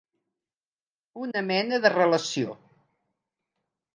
Una mena de relació.